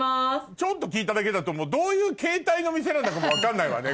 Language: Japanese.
ちょっと聞いただけだとどういう形態の店なんだかも分かんないわね